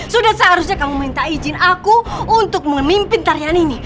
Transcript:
sudah seharusnya kamu minta izin aku untuk memimpin tarian ini